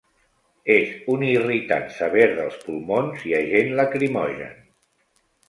És un irritant sever dels pulmons i agent lacrimogen.